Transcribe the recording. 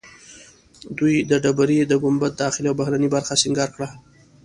دوی د ډبرې د ګنبد داخلي او بهرنۍ برخه سنګار کړه.